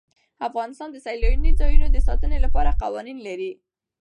افغانستان د سیلانی ځایونه د ساتنې لپاره قوانین لري.